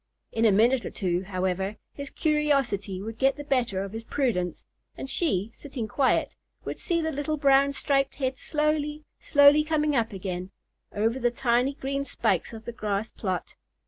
In a minute or two, however, his curiosity would get the better of his prudence; and she, sitting quiet, would see the little brown striped head slowly, slowly coming up again, over the tiny green spikes of the grass plot.